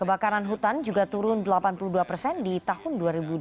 kebakaran hutan juga turun delapan puluh dua persen di tahun dua ribu dua puluh